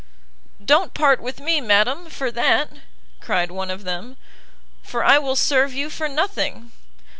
"Don't part with me, madam, for that," cried one of them, "for I will serve you for nothing!"